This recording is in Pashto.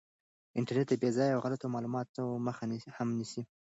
انټرنیټ د بې ځایه او غلطو معلوماتو مخه هم نیسي.